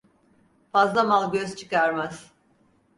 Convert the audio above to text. Fazla mal göz çıkarmaz.